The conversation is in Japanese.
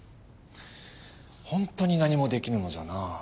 本当に何もできぬのじゃな。